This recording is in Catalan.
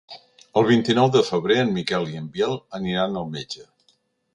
El vint-i-nou de febrer en Miquel i en Biel aniran al metge.